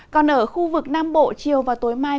còn ở khu vực nam bộ chiều và tối mai